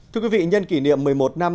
thưa quý vị nhân kỷ niệm một mươi một năm